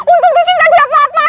untuk kiki gak jatah apa apa